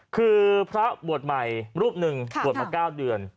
คือพระบวชใหม่รูปหนึ่งบวชมา๙เดือน